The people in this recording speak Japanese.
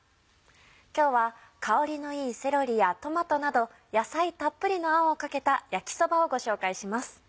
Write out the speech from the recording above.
今日は香りのいいセロリやトマトなど野菜たっぷりのあんをかけた焼きそばをご紹介します。